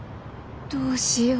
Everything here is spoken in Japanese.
どうしよう。